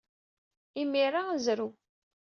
Imir-a, zrew.